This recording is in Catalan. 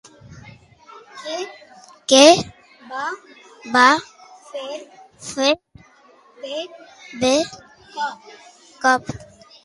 Què va fer de cop?